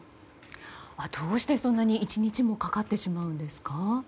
どうしてそんなに１日もかかってしまうんですか？